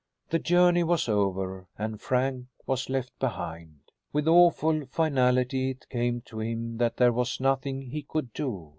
The journey was over, and Frank was left behind. With awful finality it came to him that there was nothing he could do.